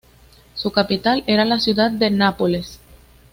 Su capital era la ciudad de Nápoles.